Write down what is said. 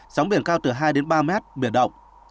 sóng biển cao từ hai ba mét biển động